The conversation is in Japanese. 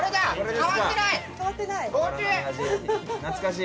変わってない？